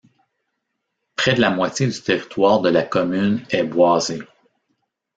Près de la moitié du territoire de la commune est boisé.